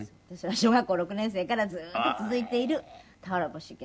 小学校６年生からずーっと続いている『俵星玄蕃』。